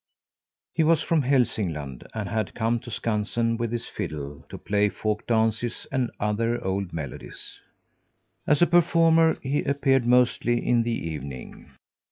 He was from Hälsingland and had come to Skansen with his fiddle to play folk dances and other old melodies. As a performer, he appeared mostly in the evening.